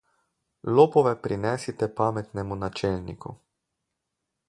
Lopove prinesite pametnemu načelniku.